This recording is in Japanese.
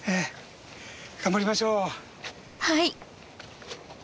はい。